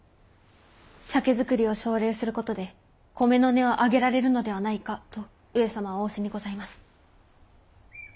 酒造りを奨励することで米の値を上げられるのではないかと上様は仰せにございます。